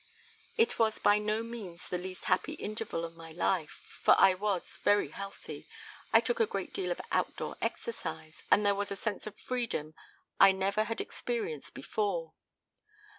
It was by no means the least happy interval of my life, for I was very healthy, I took a great deal of outdoor exercise, and there was a sense of freedom I never had experienced before.